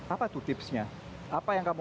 apa tuh tipsnya apa yang kamu